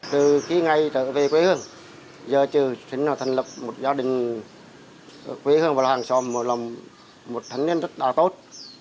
từ khi ngay trở về quê hương giờ trừ sinh và thành lập một gia đình quê hương và hàng xóm một thánh niên rất là tốt